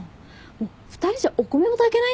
２人じゃお米も炊けないんだよ。